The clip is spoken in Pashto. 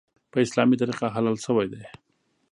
په اسلامي طریقه حلال شوی دی .